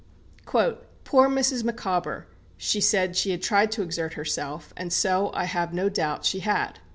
"Poor Mrs. Micawber! she said she had tried to exert herself; and so, I have no doubt, she had.